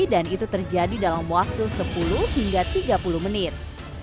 dan itu terjadi dalam waktu sepuluh hingga tiga puluh menit